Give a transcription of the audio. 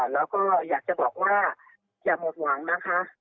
แล้วก็อยากจะบอกว่าอย่าหมดหวังนะคะ